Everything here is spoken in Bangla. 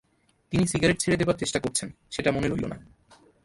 তিনি সিগারেট ছেড়ে দেবার চেষ্টা করছেন, সেটা মনে রইল না।